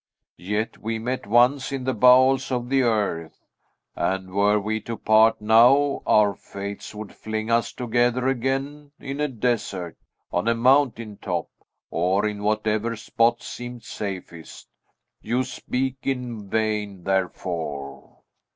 "Yet we met once, in the bowels of the earth; and, were we to part now, our fates would fling us together again in a desert, on a mountain top, or in whatever spot seemed safest. You speak in vain, therefore."